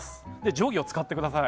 定規を使ってください。